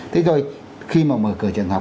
thế rồi khi mà mở cửa trường học